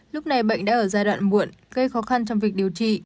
lúc này bệnh đã ở giai đoạn muộn gây khó khăn trong việc điều trị